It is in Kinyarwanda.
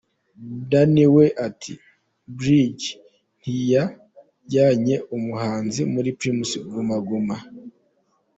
Danny we ati “Bridge ntiyajyana umuhanzi muri Primus Guma Guma”.